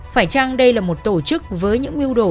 phải chăng đây là một tổ chức với những ưu đồ